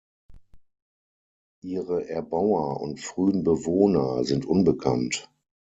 Ihre Erbauer und frühen Bewohner sind unbekannt.